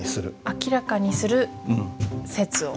「明らかにする説を」。